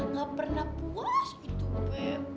gak pernah puas gitu beb